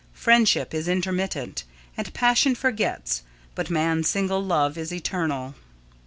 Friendship is intermittent and passion forgets, but man's single love is eternal.